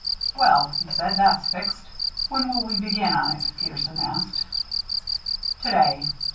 "Well," he said, "that's fixed." "When will we begin on it?" Peterson asked. "To day.